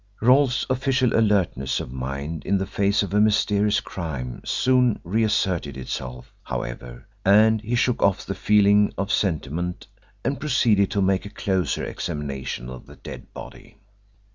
Rolfe's official alertness of mind in the face of a mysterious crime soon reasserted itself, however, and he shook off the feeling of sentiment and proceeded to make a closer examination of the dead body.